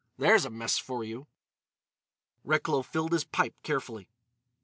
There's a mess for you!" Recklow filled his pipe carefully.